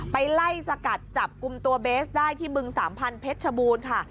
ไปไล่สกัดจับกลุ่มตัวเบสได้ที่บึงสามพันธเพชรชบูรณ์ค่ะ